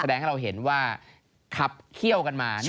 แสดงให้เราเห็นว่าขับเขี้ยวกันมา